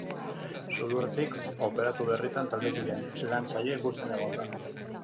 Sudurretik operatu berritan taldekideen lan saioa ikusten egon da.